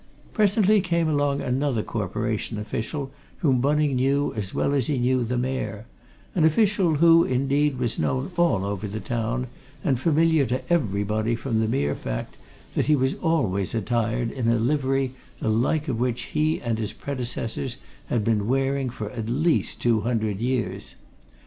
Presently came along another Corporation official, whom Bunning knew as well as he knew the Mayor, an official who, indeed, was known all over the town, and familiar to everybody, from the mere fact that he was always attired in a livery the like of which he and his predecessors had been wearing for at least two hundred years.